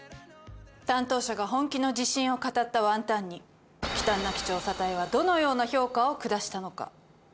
担当者が本気の自信を語ったワンタンに忌憚なき調査隊はどのような評価を下したのか？